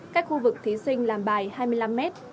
các khu vực thí sinh làm bài hai mươi năm mét